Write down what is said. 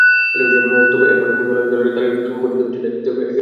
তবে এরপর হিমালয় অঞ্চলের দারিদ্র্যপীড়িত দেশটিতে পরপর নয়টি সরকার দায়িত্ব নিয়েছে।